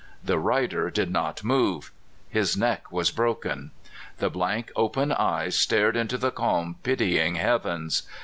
The rider did not move. His neck was broken. The blank, open e5^es stared into the calm, pitying heavens.